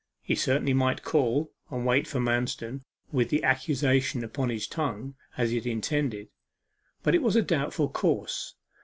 He certainly might call, and wait for Manston with the accusation upon his tongue, as he had intended. But it was a doubtful course.